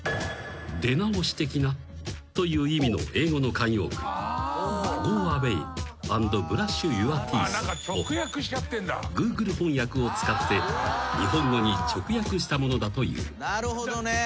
［「出直してきな」という意味の英語の慣用句「Ｇｏａｗａｙ！Ａｎｄｂｒｕｓｈｙｏｕｒｔｅｅｔｈ！」をＧｏｏｇｌｅ翻訳を使って日本語に直訳したものだという］